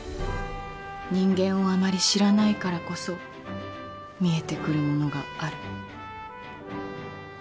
人間をあまり知らないからこそ見えてくるものがある。